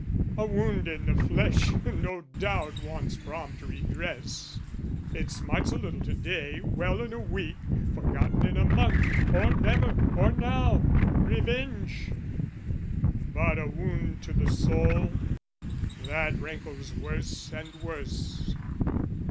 A wound i' the flesh no doubt wants prompt redress; It smarts a little to day, well in a week, Forgotten in a month; or never, or now, revenge! But a wound to the soul? That rankles worse and worse.